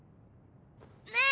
ねえ！？